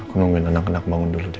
aku nungguin anak anak bangun dulu